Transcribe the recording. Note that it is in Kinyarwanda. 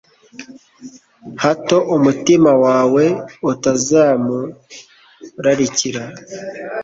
hato umutima wawe utazamurarikira